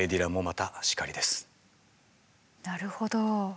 なるほど。